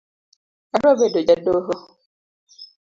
Adwa bedo ja doho